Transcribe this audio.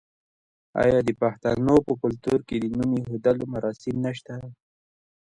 آیا د پښتنو په کلتور کې د نوم ایښودلو مراسم نشته؟